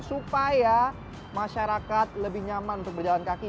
supaya masyarakat lebih nyaman untuk berjalan kaki